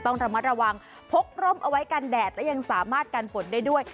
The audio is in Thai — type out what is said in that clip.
ต้องระมัดระวังพกร่มเอาไว้กันแดดและยังสามารถกันฝนได้ด้วย